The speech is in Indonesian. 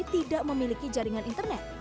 tidak memiliki jaringan internet